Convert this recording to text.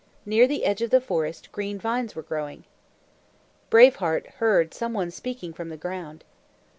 Near the edge of the forest green vines were growing. Brave Heart heard some one speaking from the ground.